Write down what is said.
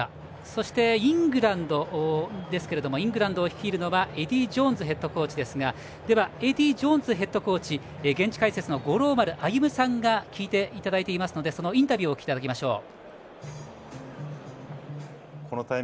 そして、イングランドですがイングランドを率いるのはエディー・ジョーンズヘッドコーチですがではエディー・ジョーンズヘッドコーチに現地解説の五郎丸歩さんが聞いていただいていますのでそのインタビューをお聞きいただきましょう。